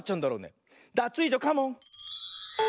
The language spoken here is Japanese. ダツイージョカモン！